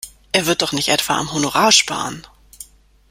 Er wird doch nicht etwa am Honorar sparen!